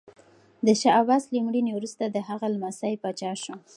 د شاه عباس له مړینې وروسته د هغه لمسی پاچا شو.